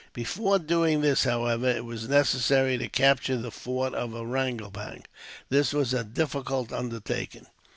Before doing this, however, it was necessary to capture the fort of Ariangopang. This was a difficult undertaking.